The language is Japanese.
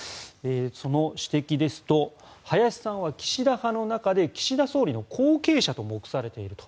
その指摘ですと林さんは岸田派の中で岸田総理の後継者と目されていると。